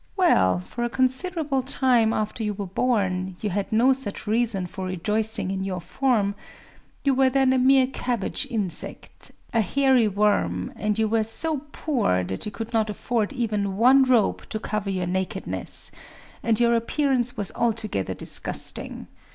Well, for a considerable time after you were born, you had no such reason for rejoicing in your form. You were then a mere cabbage insect, a hairy worm; and you were so poor that you could not afford even one robe to cover your nakedness; and your appearance was altogether disgusting.